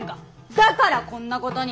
だからこんなことに！